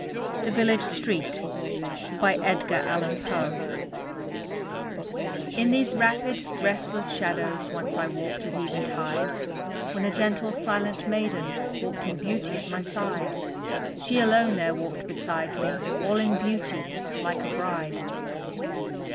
THE VILLAGE STREET In these rapid, restless shadows, Once I walked at eventide, When a gentle, silent maiden, Wal ked in beauty at my side She alone there walked beside me All in beauty, like a bride.